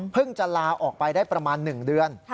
จะลาออกไปได้ประมาณ๑เดือน